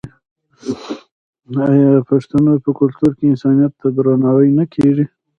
آیا د پښتنو په کلتور کې انسانیت ته درناوی نه کیږي؟